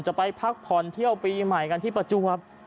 จะไปพักผ่อนเที่ยวปีใหม่กันที่ประจวบ